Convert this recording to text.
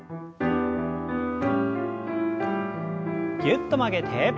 ぎゅっと曲げて。